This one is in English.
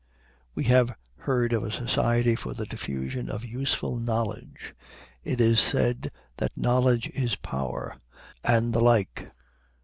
We have heard of a Society for the Diffusion of Useful Knowledge. It is said that knowledge is power; and the like.